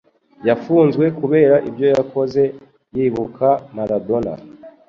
yafunzwe kubera ibyo yakoze yibuka Maradona